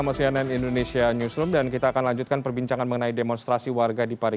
masukan dari warga itu sendiri